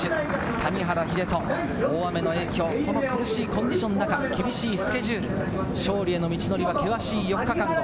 谷原秀人、大雨の影響、この苦しいコンディションの中、厳しいスケジュール、勝利への道のりは険しい４日間。